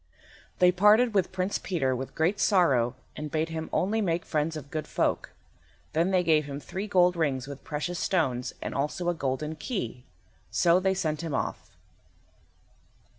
They parted with Prince Peter with great sorrow, and bade him only make friends of good folk. Then they gave him three gold rings with precious stones, and also a golden key. So they sent him off.